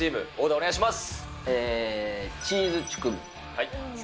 お願いします。